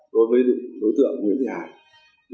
đối với đối tượng nguyễn thị hải